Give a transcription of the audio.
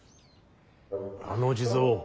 あの地蔵